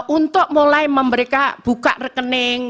untuk mulai memberikan buka rekening